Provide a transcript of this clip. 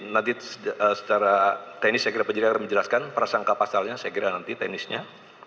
nanti secara teknis saya kira penyidik akan menjelaskan prasangka pasalnya saya kira nanti teknisnya